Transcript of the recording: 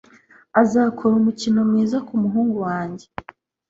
Azakora umukino mwiza kumuhungu wanjye.